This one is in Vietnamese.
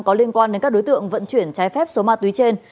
có liên quan đến các đối tượng vận chuyển trái phép số ma túy trên